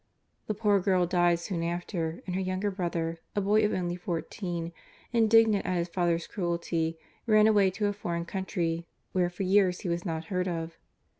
The poor girl died soon after, and her younger brother (a boy of only fourteen), indignant at his father's cruelty, ran away to a foreign country, where for years he was not heard of.